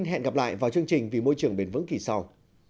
hẹn gặp lại vào chương trình vì môi trường bền vững kỳ sau